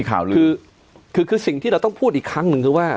คือคือคือสิ่งที่เราต้องพูดอีกครั้งหนึ่งคือว่า